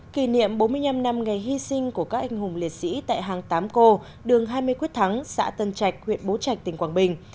kỷ niệm bốn mươi năm năm ngày hy sinh của các anh hùng liệt sĩ tại hàng tám cô đường hai mươi quyết thắng xã tân trạch huyện bố trạch tỉnh quảng bình